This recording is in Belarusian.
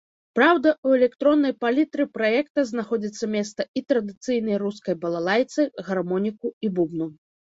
Праўда, у электроннай палітры праекта знаходзіцца месца і традыцыйнай рускай балалайцы, гармоніку і бубну.